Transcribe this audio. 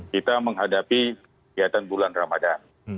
kita menghadapi kegiatan bulan ramadan